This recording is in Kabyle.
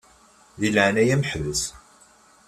Di leɛnaya-m ḥbes.